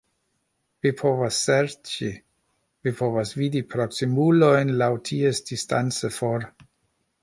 Vi povas serĉi... vi povas vidi proksimulojn laŭ ties distance for